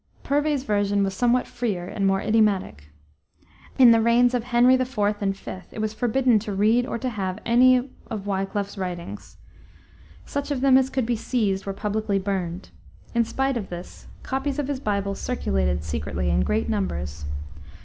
_ Purvey's revision was somewhat freer and more idiomatic. In the reigns of Henry IV. and V. it was forbidden to read or to have any of Wiclif's writings. Such of them as could be seized were publicly burned. In spite of this, copies of his Bible circulated secretly in great numbers.